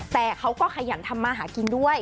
แต่เขาก็ขยันทำมาหากินด้วย